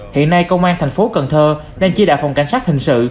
hiện nay công an thành phố cần thơ đang chia đạo phòng cảnh sát hình sự